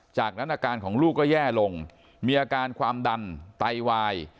จากนั้นอาการของลูกก็แย่ลงมีอาการความดันไตวาย